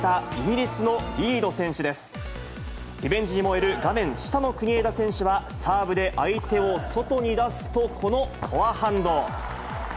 リベンジに燃える画面下の国枝選手は、サーブで相手を外に出すと、このフォアハンド。